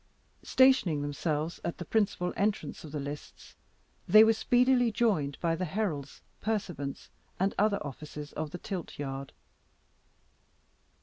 Stationing themselves at the principal entrance of the lists, they were speedily joined by the heralds, pursuivants, and other officers of the tilt yard.